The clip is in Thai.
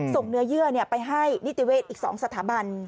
เนื้อเยื่อไปให้นิติเวศอีก๒สถาบัน